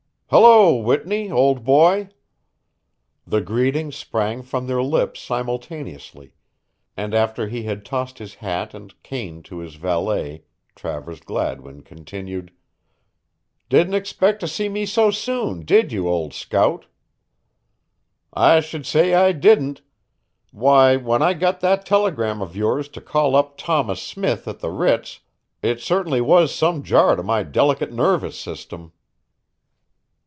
"Hello, Whitney, old boy!" The greeting sprang from their lips simultaneously, and after he had tossed his hat and cane to his valet Travers Gladwin continued: "Didn't expect to see me so soon, did you, old scout?" "I should say I didn't. Why, when I got that telegram of yours to call up Thomas Smith at the Ritz it certainly was some jar to my delicate nervous system."